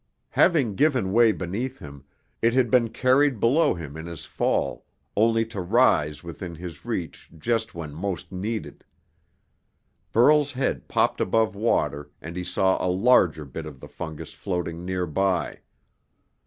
Having given way beneath him, it had been carried below him in his fall, only to rise within his reach just when most needed. Burl's head popped above water and he saw a larger bit of the fungus floating near by.